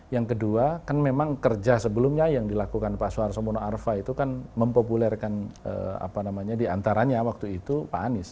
yang kedua kan memang kerja sebelumnya yang dilakukan pak soeharto mono arfa itu kan mempopulerkan apa namanya diantaranya waktu itu pak anies